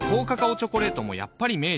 チョコレートもやっぱり明治